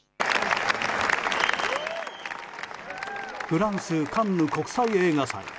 フランス、カンヌ国際映画祭。